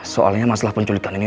soalnya masalah penculikan ini